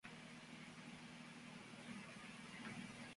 España fue uno de los primeros países en incorporarse a la eurozona.